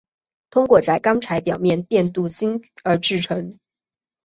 通过在钢材表面电镀锌而制成。